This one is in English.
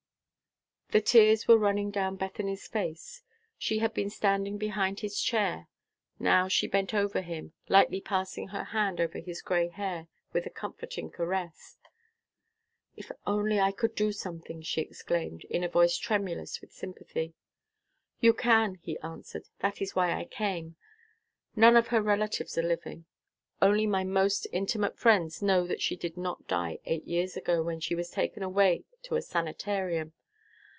The tears were running down Bethany's face. She had been standing behind his chair. Now she bent over him, lightly passing her hand over his gray hair, with a comforting caress. "If I could only do something," she exclaimed, in a voice tremulous with sympathy. "You can," he answered. "That is why I came. None of her relatives are living. Only my most intimate friends know that she did not die eight years ago, when she was taken away to a sanitarium.